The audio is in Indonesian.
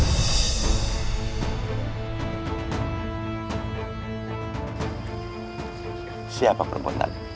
hai siapa perempuan